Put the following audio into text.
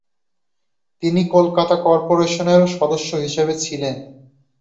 তিনি কলকাতা কর্পোরেশনেরও সদস্য হিসেবে ছিলেন।